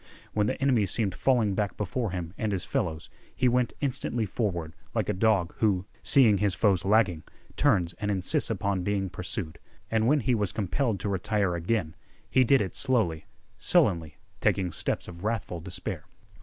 When the enemy seemed falling back before him and his fellows, he went instantly forward, like a dog who, seeing his foes lagging, turns and insists upon being pursued. And when he was compelled to retire again, he did it slowly, sullenly, taking steps of wrathful despair.